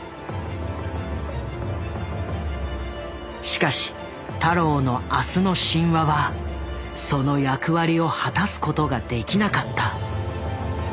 しかし太郎の「明日の神話」はその役割を果たすことができなかった。